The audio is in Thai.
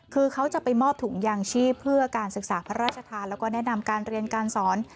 คือเขาจะไปมอบถุงยางชีพเพื่อการศึกษาพระราชทานแล้วก็แนะนำการเรียนการสอน